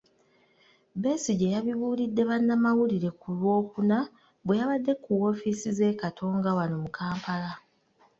Besigye yabibuulidde bannamawulire ku Lwokuna bwe yabadde ku woofiisi z'e Katonga wano mu Kampala.